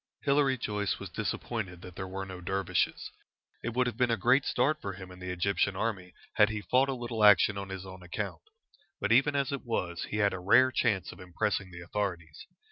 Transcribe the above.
Hilary Joyce was disappointed that there were no dervishes. It would have been a great start for him in the Egyptian army had he fought a little action on his own account. But even as it was, he had a rare chance of impressing the authorities.